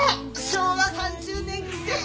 昭和３０年臭え！？